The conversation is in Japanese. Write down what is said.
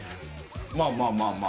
まあまあまあまあ。